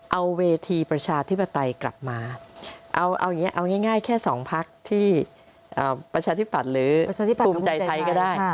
เอาเวทีประชาธิปไตยกลับมาเอาง่ายแค่๒พักที่ประชาธิปัตย์หรือภูมิใจไทยก็ได้